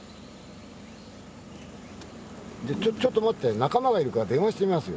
じゃちょっと待って仲間がいるから電話してみますよ。